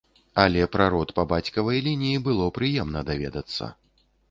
Але пра род па бацькавай лініі было прыемна даведацца.